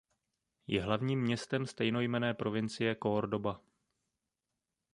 Je hlavním městem stejnojmenné provincie Córdoba.